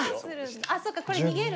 あっそっかこれ逃げる。